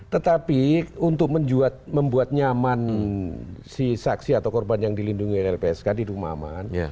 tetapi untuk membuat nyaman si saksi atau korban yang dilindungi lpsk di rumah aman